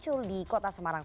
pada dialog malam hanya